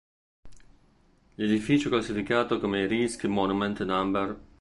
L'edificio, classificato come "rijksmonument" nr.